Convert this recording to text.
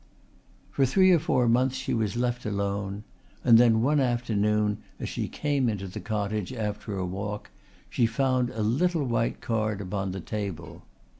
For three or four months she was left alone; and then one afternoon as she came into the cottage after a walk she found a little white card upon the table.